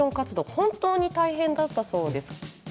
本当に大変だったそうです。